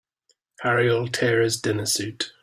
Harry'll tear his dinner suit.